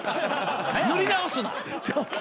塗り直すな。